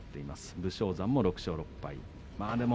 武将山も６勝６敗。